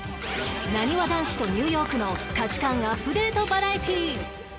なにわ男子とニューヨークの価値観アップデートバラエティー